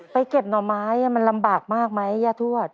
เก็บหน่อไม้มันลำบากมากไหมย่าทวด